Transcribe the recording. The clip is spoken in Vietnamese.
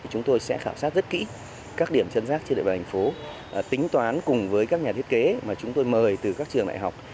chúng tôi sẽ khảo sát rất kỹ các điểm chân rác trên địa bàn thành phố tính toán cùng với các nhà thiết kế mà chúng tôi mời từ các trường đại học